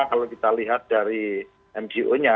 kalau kita lihat dari mgo nya